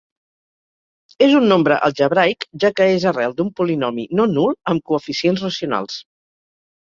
És un nombre algebraic, ja que és arrel d'un polinomi no nul amb coeficients racionals.